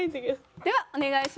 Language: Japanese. ではお願いします。